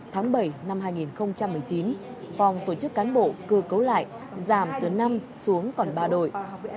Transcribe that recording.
tháng bảy năm hai nghìn một mươi chín phòng tổ chức cán bộ cơ cấu lại giảm từ năm xuống còn ba đội